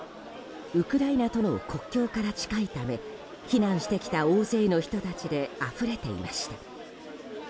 ウクライナとの国境から近いため避難してきた大勢の人たちであふれていました。